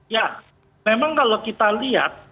ya memang kalau kita lihat